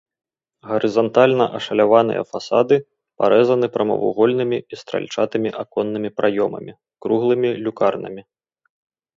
Гарызантальна ашаляваныя фасады парэзаны прамавугольнымі і стральчатымі аконнымі праёмамі, круглымі люкарнамі.